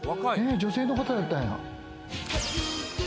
女性の方やったんや。